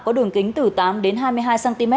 có đường kính từ tám hai mươi hai cm